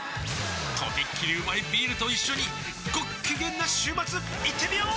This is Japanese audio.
とびっきりうまいビールと一緒にごっきげんな週末いってみよー！